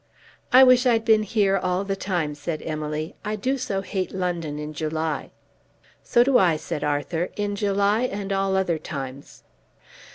"I wish I'd been here all the time," said Emily. "I do so hate London in July." "So do I," said Arthur, "in July and all other times."